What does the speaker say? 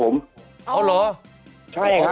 คุณติเล่าเรื่องนี้ให้ฮะ